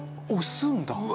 押すんだ。